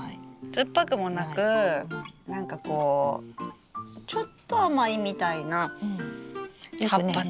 酸っぱくもなくなんかこうちょっと甘いみたいな葉っぱの匂いがする。